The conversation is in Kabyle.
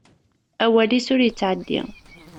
Awal-is ur yettεeddi.